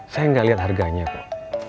saya nggak lihat harganya kok